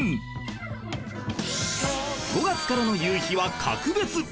５月からの夕日は格別